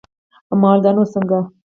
ما وويل دا نو څنگه.